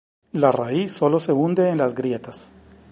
La raíz solo se hunde en las grietas.